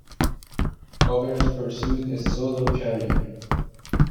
Powers pursued a solo career.